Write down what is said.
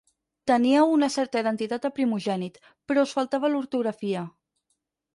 Teníeu una certa identitat de primogènit, però us fallava l'ortografia.